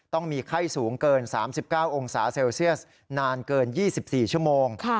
ต้องมีไข้สูงเกิน๓๙องศาเซลเซียสนานเกิน๒๔ชั่วโมง